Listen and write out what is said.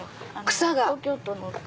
草が。